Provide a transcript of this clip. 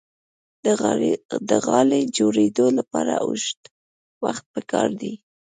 د غالۍ جوړیدو لپاره اوږد وخت پکار دی.